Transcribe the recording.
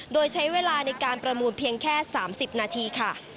โดยใช้เวลาในการประมูลเพียงแค่๓๐นาทีค่ะ